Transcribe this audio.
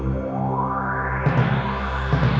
untuk bukan dimulai